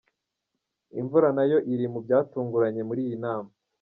Imvura nayo iri mu byatunguranye muri iyi nama.